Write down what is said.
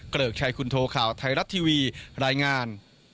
เกริกชัยคุณโทข่าวไทยรัฐทีวีรายงาน